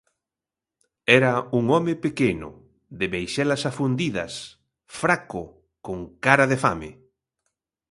Era un home pequeno, de meixelas afundidas, fraco, con cara de fame.